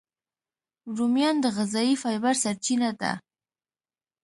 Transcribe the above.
رومیان د غذایي فایبر سرچینه ده